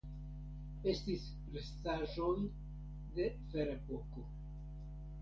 Estis restaĵoj de Ferepoko.